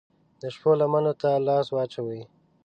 د شپو لمنو ته لاس واچوي